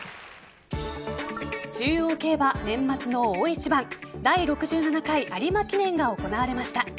中央競馬・年末の大一番第６７回有馬記念が行われました。